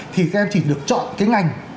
thì các em chỉ được chọn cái ngành